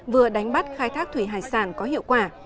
vừa đánh bắt khai thác thủy hải sản có hiệu quả